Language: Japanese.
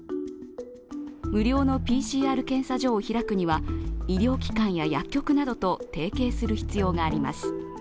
無料のＰＣＲ検査所を開くには医療機関や薬局などと提携する必要があります。